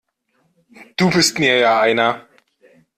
Du bist mir ja einer!